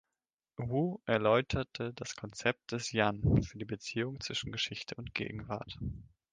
Wu erläuterte das Konzept des Yan für die Beziehung zwischen Geschichte und Gegenwart.